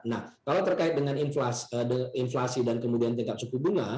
nah kalau terkait dengan inflasi dan kemudian tingkat suku bunga